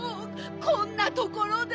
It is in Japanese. こんなところで。